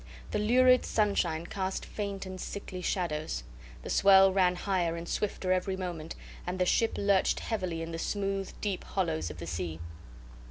The lurid sunshine cast faint and sickly shadows. The swell ran higher and swifter every moment, and the ship lurched heavily in the smooth, deep hollows of the sea.